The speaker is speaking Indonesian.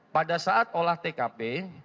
pada saat olah tkp